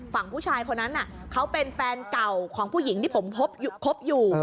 ฝั่งผู้ชายคนนั้นเขาเป็นแฟนเก่าของผู้หญิงที่ผมคบอยู่